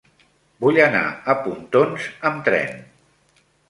Vull anar a Pontons amb tren.